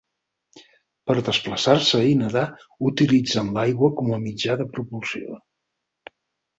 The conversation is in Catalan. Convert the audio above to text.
Per a desplaçar-se i nedar utilitzen l'aigua com a mitjà de propulsió.